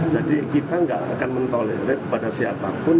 jadi kita gak akan menolak kepada siapapun